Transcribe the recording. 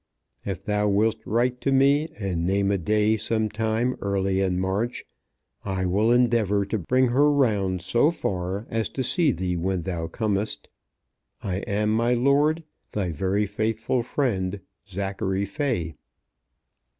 If thou will'st write to me and name a day some time early in March I will endeavour to bring her round so far as to see thee when thou comest. I am, my lord, Thy very faithful friend, ZACHARY FAY.